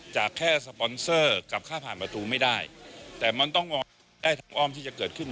จากแค่สปอนเซอร์กับค่าผ่านประตูไม่ได้แต่มันต้องได้ทางอ้อมที่จะเกิดขึ้น